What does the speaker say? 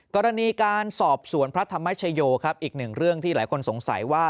กรณีการสอบสวนพระธรรมชโยครับอีกหนึ่งเรื่องที่หลายคนสงสัยว่า